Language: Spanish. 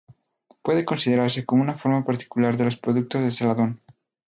Puede considerarse como una forma particular de los productos de celadón.